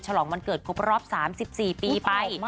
ฉลองวันเกิดครบรอบ๓๔ปีไป